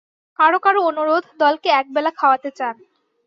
কারও কারও অনুরোধ, দলকে একবেলা খাওয়াতে চান।